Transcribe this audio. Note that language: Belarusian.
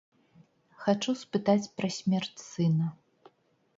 Хачу спытаць пра смерць сына.